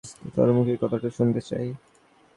তোর মুখেই কথাটা শুনতে চাই।